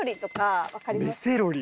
根セロリ？